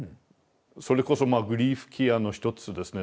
それこそグリーフケアの一つですね。